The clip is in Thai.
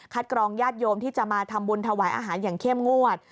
กรองญาติโยมที่จะมาทำบุญถวายอาหารอย่างเข้มงวด